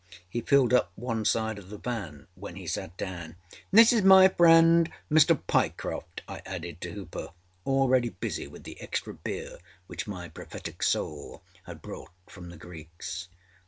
He filled up one side of the van when he sat down. âAnd this is my friend, Mr. Pyecroft,â I added to Hooper, already busy with the extra beer which my prophetic soul had bought from the Greeks.